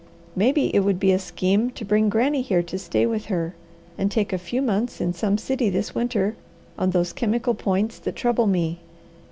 Maybe it would be a scheme to bring Granny here to stay with her, and take a few months in some city this winter on those chemical points that trouble me.